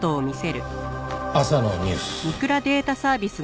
朝のニュース。